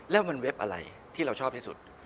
แล้วมันเว็บอะไรที่เราชอบที่สุด